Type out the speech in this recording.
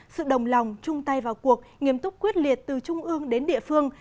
sự đồng lòng chung tay vào cuộc nghiêm túc quyết liệt từ trung ương đến địa phương